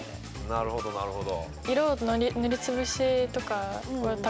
なるほどなるほど。